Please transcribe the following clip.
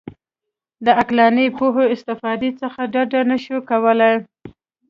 د عقلاني پوهو استفادې څخه ډډه نه شو کولای.